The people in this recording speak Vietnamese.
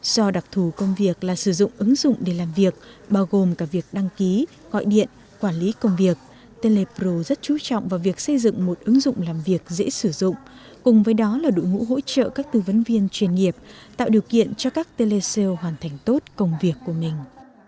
do đặc thù công việc là sử dụng ứng dụng để làm việc bao gồm cả việc đăng ký gọi điện quản lý công việc telepro rất chú trọng vào việc xây dựng một ứng dụng làm việc dễ sử dụng cùng với đó là đội ngũ hỗ trợ các tư vấn viên chuyên nghiệp tạo điều kiện cho các telecell hoàn thành tốt công việc của mình